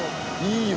いいよ。